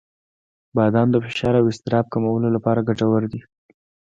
• بادام د فشار او اضطراب کمولو لپاره ګټور دي.